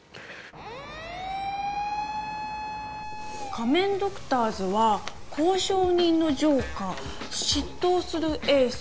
仮面ドクターズは交渉人のジョーカー執刀するエース